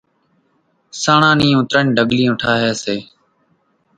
سانڻان نيون ترڃ ڍڳليون ٺاۿي سي،